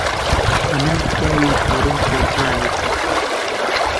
ئەمن پیاوی دووڕووم خۆش ناوێت.